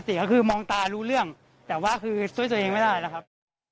ยังมีสติก็คือมองตารู้เรื่องแต่ว่าคือโดยตัวเองไม่ได้นะครับ